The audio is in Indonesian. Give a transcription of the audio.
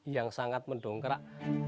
yang sangat mendongkrak